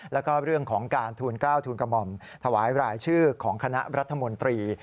แล้วก็เรื่องของการทูล๙ทูลกระหม่อมถวายรายชื่อของคณะรัฐมนตรี